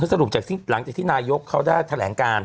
สรุปจากหลังจากที่นายกเขาได้แถลงการ